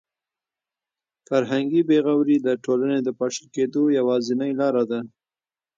فرهنګي بې غوري د ټولنې د پاشل کېدو یوازینۍ لاره ده.